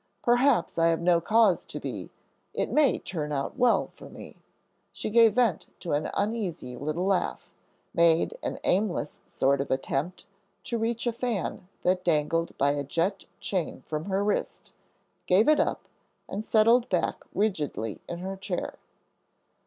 Perhaps I have no cause to be; it may turn out well for me." She gave vent to an uneasy little laugh, made an aimless sort of attempt to reach a fan that dangled by a jet chain from her wrist, gave it up, and settled back rigidly in her chair.